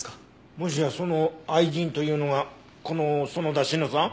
もしやその愛人というのがこの園田志乃さん？